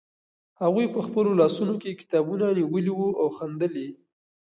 هغوی په خپلو لاسونو کې کتابونه نیولي وو او خندل یې.